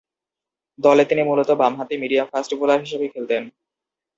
দলে তিনি মূলতঃ বামহাতি মিডিয়াম-ফাস্ট বোলার হিসেবে খেলতেন।